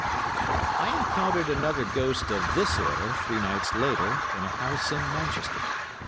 I encountered another ghost of this order three nights later in a house in Manchester.